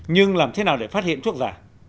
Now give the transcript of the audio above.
nhưng làm thế nào để phát hiện thuốc giả